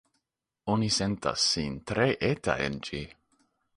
Oni sentas sin tre eta en ĝi.